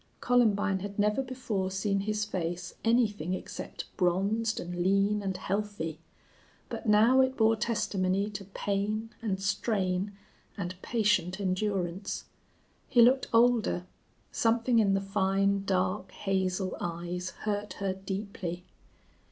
Columbine had never before seen his face anything except bronzed and lean and healthy, but now it bore testimony to pain and strain and patient endurance. He looked older. Something in the fine, dark, hazel eyes hurt her deeply.